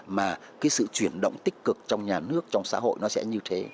mà cái sự chuyển động tích cực trong nhà nước trong xã hội nó sẽ như thế